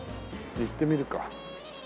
行ってみるか。